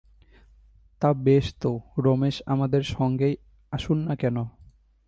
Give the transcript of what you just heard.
তা বেশ তো, রমেশ আমাদের সঙ্গেই আসুন-না কেন?